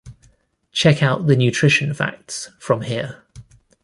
Check out the Nutrition facts from here.